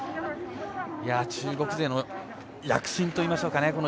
中国勢の躍進といいましょうかね。